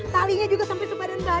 talinya juga sampai sebadan kali